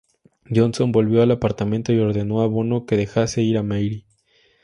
Johnson volvió al apartamento y ordenó a Bono que dejase ir a Mary.